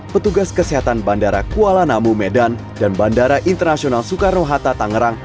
petugas kesehatan bandara kuala namu medan dan bandara internasional soekarno hatta tangerang